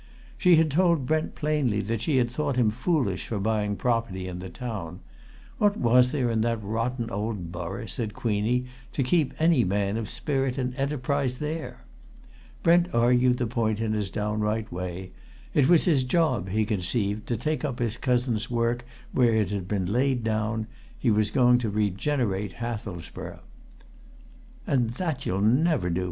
She had told Brent plainly that she thought him foolish for buying property in the town; what was there in that rotten old borough, said Queenie, to keep any man of spirit and enterprise there? Brent argued the point in his downright way: it was his job, he conceived, to take up his cousin's work where it had been laid down; he was going to regenerate Hathelsborough. "And that you'll never do!"